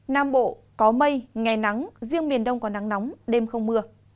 nam bộ có mây ngày nắng riêng miền đông có nắng nóng đêm không mưa